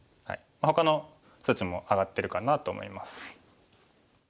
ほかの数値も上がってるかなと思います。